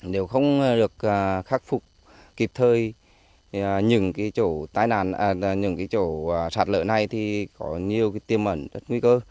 nếu không được khắc phục kịp thời những chỗ sạt lờ này thì có nhiều tiêm ẩn rất nguy cơ